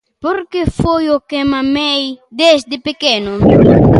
Porque foi o que mamei desde pequeno.